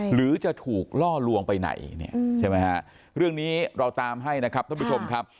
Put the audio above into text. หรือจะถูกล่อลวงไปไหนเนี่ยใช่ไหมฮะเรื่องนี้เราตามให้นะครับท่านผู้ชมครับ